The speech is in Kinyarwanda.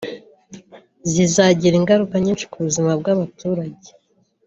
zizagira ingaruka nyinshi ku buzima bw’abaturage